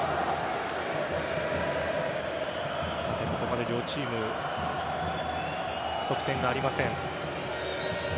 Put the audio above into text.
ここまで両チーム得点がありません。